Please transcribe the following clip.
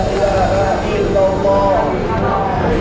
pak pak tolong dia